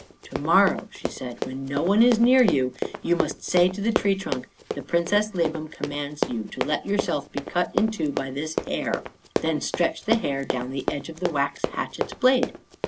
"To morrow," she said, "when no one is near you, you must say to the tree trunk, 'The Princess Labam commands you to let yourself be cut in two by this hair.' Then stretch the hair down the edge of the wax hatchet's blade."